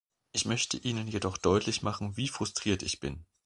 Ich möchte Ihnen jedoch deutlich machen, wie frustriert ich bin.